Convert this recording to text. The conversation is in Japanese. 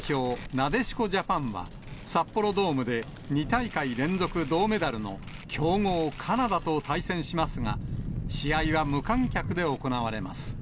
なでしこジャパンは、札幌ドームで２大会連続銅メダルの強豪、カナダと対戦しますが、試合は無観客で行われます。